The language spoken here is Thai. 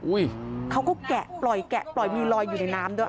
อุ๊ยเขาก็แกะปล่อยมีรอยอยู่ในน้ำด้วย